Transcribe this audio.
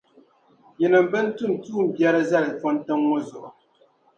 yinim’ bɛn tum tumbiɛri zali fɔntiŋ’ ŋɔ zuɣu.